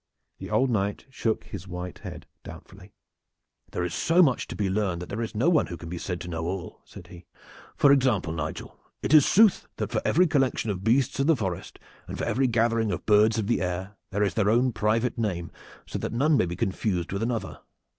The old Knight shook his white head doubtfully. "There is so much to be learned that there is no one who can be said to know all," said he. "For example, Nigel, it is sooth that for every collection of beasts of the forest, and for every gathering of birds of the air, there is their own private name so that none may be confused with another."